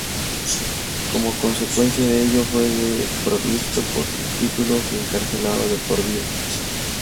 Como consecuencia de ello, fue desprovisto de sus títulos y encarcelado de por vida.